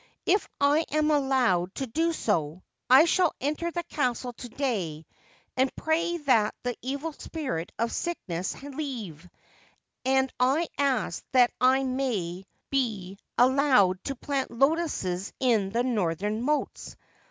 If I am allowed to do so, I shall enter the castle to day and pray that the evil spirit of sickness leave ; and I ask that I may be allowed to plant lotuses in the northern moats.